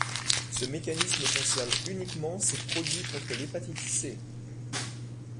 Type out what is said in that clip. Ce mécanisme concerne uniquement ces produits contre l’hépatite C.